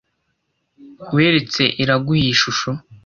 Weretse Iraguha iyi shusho?